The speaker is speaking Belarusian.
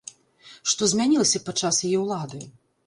Што змянілася падчас яе ўлады?